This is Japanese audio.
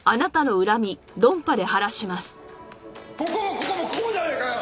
「ここもここもここもじゃねえかよ！」